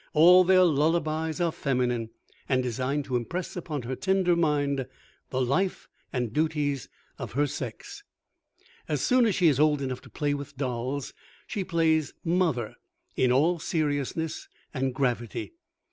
All their lullabies are feminine, and designed to impress upon her tender mind the life and duties of her sex. As soon as she is old enough to play with dolls, she plays mother in all seriousness and gravity.